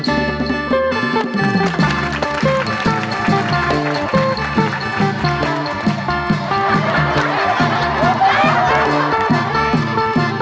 ดีแล้ว